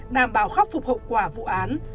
đảm bảo khắc phục hậu quả vụ án